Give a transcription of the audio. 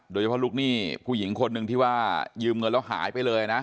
ลูกหนี้ผู้หญิงคนหนึ่งที่ว่ายืมเงินแล้วหายไปเลยนะ